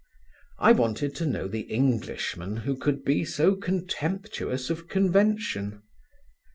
I wanted to know the Englishman who could be so contemptuous of convention.